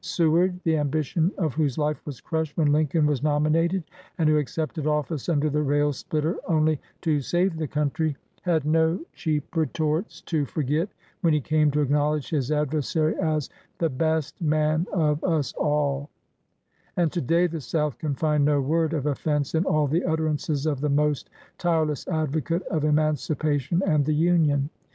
Seward, the ambition of whose life was crushed when Lincoln was nominated, and who accepted office under the rail splitter only "to save the country," had no cheap retorts to forget when he came to acknowledge his adversary as "the best man of us all"; and to day the South can find no word of offense in all the utterances of the most tire less advocate of emancipation and the Union.